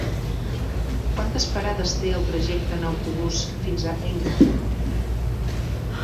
Quantes parades té el trajecte en autobús fins a Énguera?